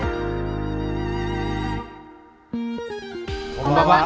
こんばんは。